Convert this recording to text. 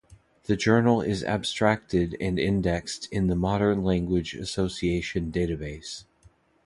The journal is abstracted and indexed in the Modern Language Association Database.